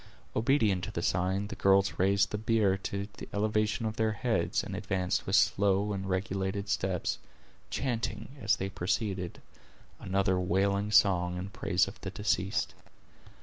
Obedient to the sign, the girls raised the bier to the elevation of their heads, and advanced with slow and regulated steps, chanting, as they proceeded, another wailing song in praise of the deceased.